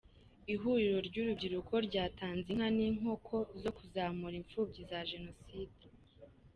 Ihuriro ry’urubyiruko ryatanze inka n’inkoko zo kuzamura imfubyi za jenoside